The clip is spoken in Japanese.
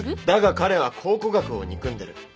だが彼は考古学を憎んでる。